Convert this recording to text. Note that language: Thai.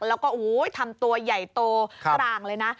แล้วก็ทำตัวใหญ่โตกลางเลยนะ